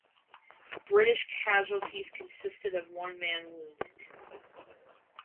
British casualties consisted of one man wounded.